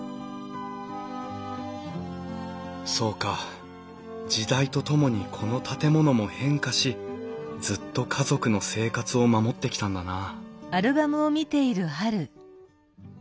そうか時代とともにこの建物も変化しずっと家族の生活を守ってきたんだな